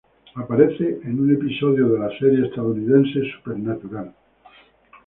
Aparece en un episodio de la serie estadounidense Supernatural.